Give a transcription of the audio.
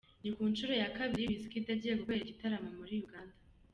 Ni ku nshuro ya kabiri Wizkid agiye gukorera igitaramo muri Uganda.